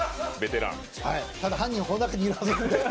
ただ犯人はこの中にいるはず。